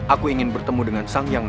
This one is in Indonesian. aku ingin bertemu sacha yang sa